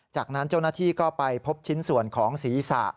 จากนั้นเจ้าหน้าที่ก็ไปพบชิ้นส่วนของศีรษะ